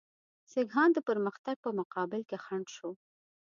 سیکهان د پرمختګ په مقابل کې خنډ شو.